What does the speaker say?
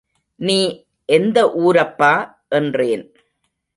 நீ எந்த ஊர் அப்பா என்றேன்.